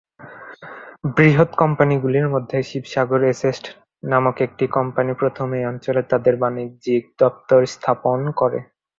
বৃহৎ কোম্পানিগুলির মধ্যে শিবসাগর এস্টেট নামক একটি কোম্পানি প্রথম এই অঞ্চলে তাদের বাণিজ্যিক দপ্তর স্থাপন করে।